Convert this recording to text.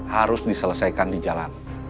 harus diselesaikan di jalan